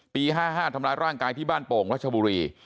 ๕๕ทำร้ายร่างกายที่บ้านโป่งรัชบุรี